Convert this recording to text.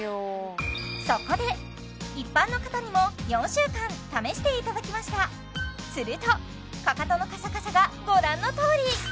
そこで一般の方にも４週間試していただきましたするとかかとのカサカサがご覧のとおり！